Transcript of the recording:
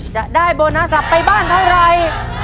จะได้โบนัสกลับไปบ้านเท่าไร